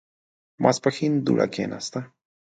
ماسپښين دوړه کېناسته.